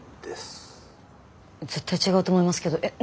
絶対違うと思いますけどえっ？